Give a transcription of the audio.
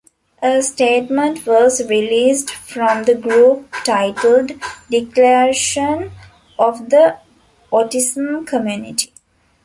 A statement was released from the group titled 'Declaration of the autism community'.